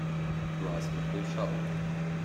Du hast mich durchschaut.